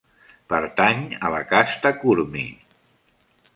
Pertany a la casta Kurmi.